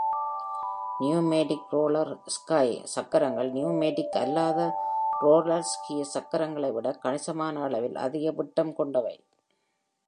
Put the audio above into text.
Pneumatic roller ski சக்கரங்கள் pneumatic அல்லாத roller ski சக்கரங்களை விட கணிசமான அளவில் அதிக விட்டம் கொண்டவை.